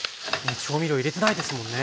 調味料入れてないですもんね。